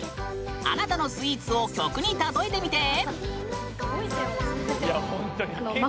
あなたのスイーツを曲にたとえてみて！